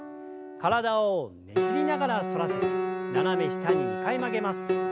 体をねじりながら反らせて斜め下に２回曲げます。